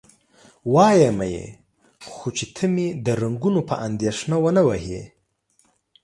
وایمه یې، خو چې ته مې د رنګونو په اندېښنه و نه وهې؟